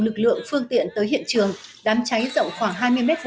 lực lượng phương tiện tới hiện trường đám cháy rộng khoảng hai mươi m hai